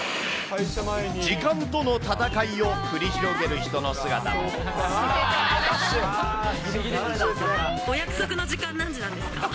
時間との戦いを繰り広げる人お約束の時間、何時なんですか？